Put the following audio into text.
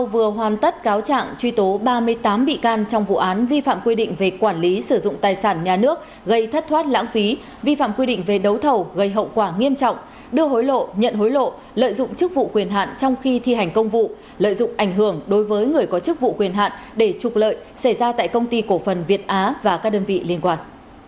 cơ quan cảnh sát điều tra bộ công an vừa hoàn tất cáo trạng truy tố ba mươi tám bị can trong vụ án vi phạm quy định về quản lý sử dụng tài sản nhà nước gây thất thoát lãng phí vi phạm quy định về đấu thầu gây hậu quả nghiêm trọng đưa hối lộ nhận hối lộ lợi dụng chức vụ quyền hạn trong khi thi hành công vụ lợi dụng ảnh hưởng đối với người có chức vụ quyền hạn để trục lợi xảy ra tại công ty cổ phần việt á và các đơn vị liên quan